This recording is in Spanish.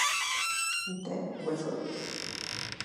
D. Wessel.